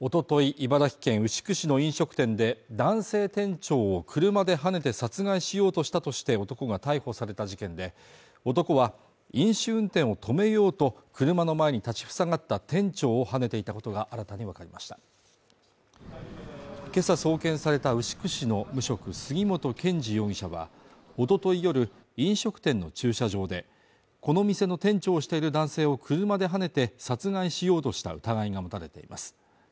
茨城県牛久市の飲食店で男性店長を車ではねて殺害しようとしたとして男が逮捕された事件で男は飲酒運転を止めようと車の前に立ちふさがった店長をはねていたことが新たに分かりました今朝、送検された牛久市の無職杉本健治容疑者はおととい夜、飲食店の駐車場でこの店の店長をしている男性を車ではねて殺害しようとした疑いが持たれています